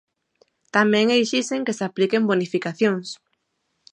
Tamén exixen que se apliquen bonificacións.